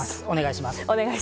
お願いします。